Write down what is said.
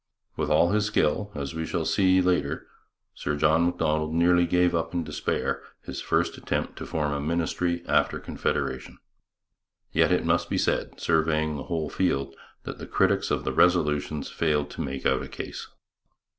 With all his skill, as we shall see later, Sir John Macdonald nearly gave up in despair his first attempt to form a ministry after Confederation. Yet it must be said, surveying the whole field, that the critics of the resolutions failed to make out a case.